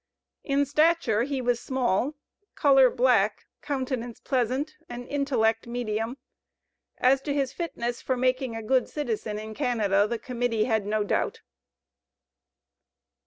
In stature, he was small; color, black; countenance, pleasant, and intellect, medium. As to his fitness for making a good citizen in Canada the Committee had no doubt.